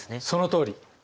そのとおり。